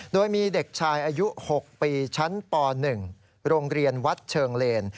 โดยมีเด็กชายอายุ๖ปีชั้นป๑โรงเรียนวัดเชิงเลน